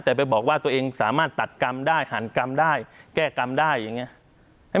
แต่ไปบอกว่าตัวเองสามารถตัดกรรมได้หันกรรมได้แก้กรรมได้อย่างนี้